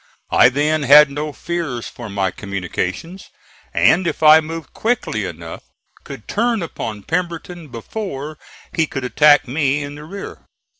I then had no fears for my communications, and if I moved quickly enough could turn upon Pemberton before he could attack me in the rear.